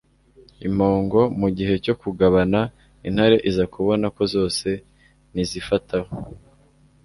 impongo. mu gihe cyo kugabana, intare iza kubona ko zose nizifataho